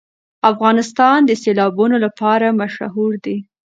افغانستان د سیلابونه لپاره مشهور دی.